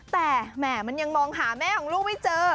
แต่แหม่มันยังมองหาแม่ของลูกไม่เจอ